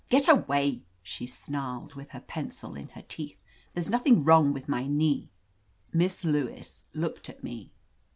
"Get away," she snarled, witH her pencil in her teeth. '^There's nothing wrong with my knee." Miss Lewis looked at me.